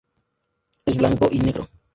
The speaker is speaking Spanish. Es blanco y negro.